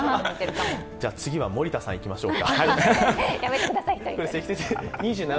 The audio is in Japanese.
次は森田さんいきましょうか。